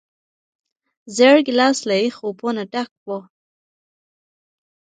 زېړ ګیلاس له یخو اوبو نه ډک و.